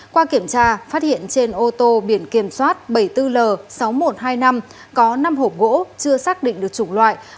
qua kiểm tra phát hiện trên ô tô biển kiểm soát bảy mươi bốn l sáu nghìn một trăm hai mươi năm có năm hộp gỗ chưa xác định được chủng loại